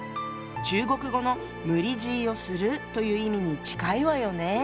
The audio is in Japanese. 中国語の「無理強いをする」という意味に近いわよね。